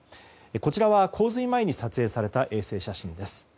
こちらは、洪水前に撮影された衛星写真です。